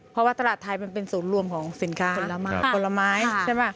เพราะว่าตลาดไทยมันเป็นศูนย์รวมของสินค้าผลไม้ใช่ไหม